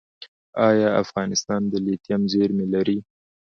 آیا افغانستان د لیتیم زیرمې لري؟